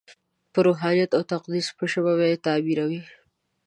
په روحانیت او تقدس په ژبه به یې تعبیروي.